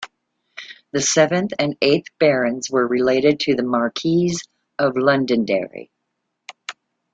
The seventh and eighth barons were related to the Marquesses of Londonderry.